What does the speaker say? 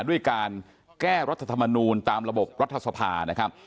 ด้วยการแก้รัฐธรรมนูลตามระบบรัฐสภานะครับ